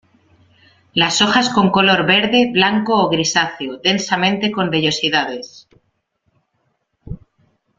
Las hojas con color, verde blanco o grisáceo, densamente con vellosidades.